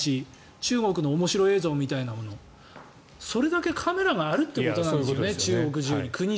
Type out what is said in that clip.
中国の面白映像みたいなのそれだけ国中にカメラがあるということなんですよね。